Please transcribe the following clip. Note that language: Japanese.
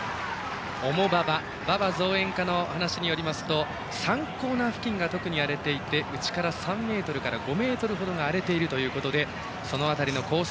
重馬場馬場造園課の話によりますと３コーナー付近が特に荒れていて内から３ｍから５ｍほどが荒れているということでその辺りのコース